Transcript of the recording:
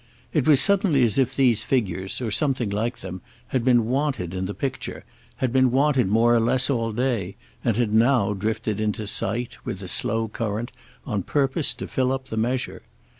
It was suddenly as if these figures, or something like them, had been wanted in the picture, had been wanted more or less all day, and had now drifted into sight, with the slow current, on purpose to fill up the measure.